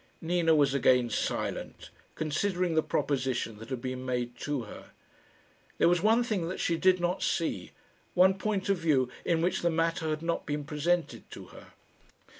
Nina was again silent, considering the proposition that had been made to her. There was one thing that she did not see; one point of view in which the matter had not been presented to her.